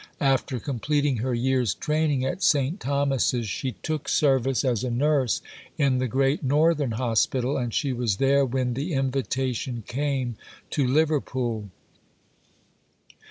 After completing her year's training at St. Thomas's she took service as a nurse in the Great Northern Hospital, and she was there when the invitation came to Liverpool.